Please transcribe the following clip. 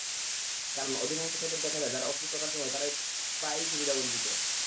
কারণ, অধিকাংশ ক্ষেত্রে দেখা যায়, যারা অকৃতকার্য হয়, তারা প্রায়ই সুবিধাবঞ্চিত।